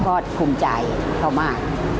ก็ภูมิใจเขามาก